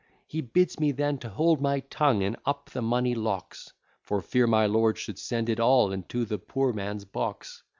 He bids me then to hold my tongue, and up the money locks, For fear my lord should send it all into the poor man's box.